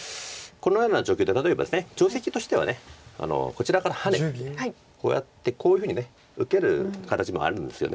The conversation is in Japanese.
このような状況で例えばですね定石としてはこちらからハネてこうやってこういうふうに受ける形もあるんですよね。